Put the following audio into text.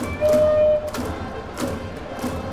د ډلو تعامل ثبت کړه.